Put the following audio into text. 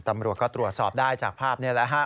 ตำรวจก็ตรวจสอบได้จากภาพนี้แหละฮะ